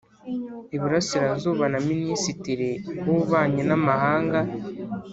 Iburasirazuba na Minisitiri w’Ububanyi n’amahanga